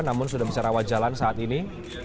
namun sudah bisa rawat jalan saat ini